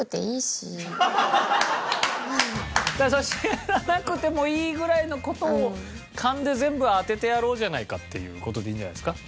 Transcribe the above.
知らなくてもいいぐらいの事を勘で全部当ててやろうじゃないかっていう事でいいんじゃないですか？